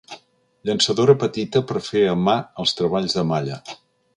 Llançadora petita per fer a mà els treballs de malla.